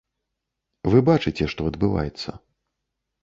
Вы бачыце, што адбываецца.